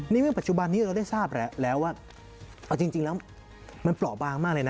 ในเมื่อปัจจุบันนี้เราได้ทราบแล้วว่าเอาจริงแล้วมันเปราะบางมากเลยนะ